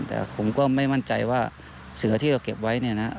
แต่ผมก็ไม่มั่นใจว่าเสือที่เราเก็บไว้เนี่ยนะ